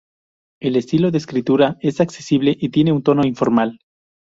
El estilo de escritura es accesible y tiene un tono informal.